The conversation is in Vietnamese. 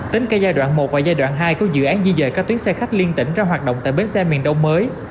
tính cả giai đoạn một và giai đoạn hai của dự án di dời các tuyến xe khách liên tỉnh ra hoạt động tại bến xe miền đông mới